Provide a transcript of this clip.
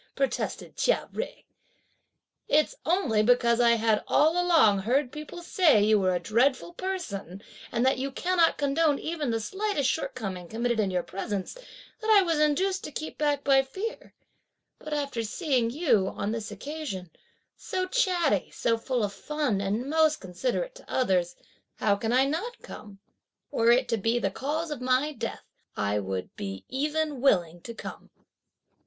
protested Chia Jui. "It's only because I had all along heard people say that you were a dreadful person, and that you cannot condone even the slightest shortcoming committed in your presence, that I was induced to keep back by fear; but after seeing you, on this occasion, so chatty, so full of fun and most considerate to others, how can I not come? were it to be the cause of my death, I would be even willing to come!"